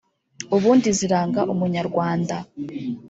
ubundi ziranga Umunyarwanda